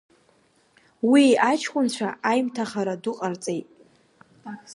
Уи иҷкәынцәа аимҭахара ду ҟарҵеит.